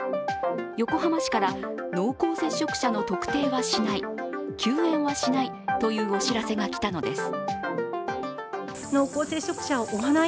横浜市から、濃厚接触者の特定はしない、休園はしないというお知らせが来たのです。